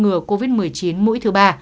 ngừa covid một mươi chín mũi thứ ba